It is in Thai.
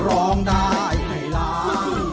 ร้องได้ให้ล้าน